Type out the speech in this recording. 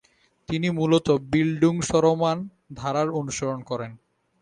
তিনি মূলত বিল্ডুংসরোমান ধারার অনুসরণ করেন।